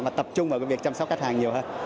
mà tập trung vào cái việc chăm sóc khách hàng nhiều hơn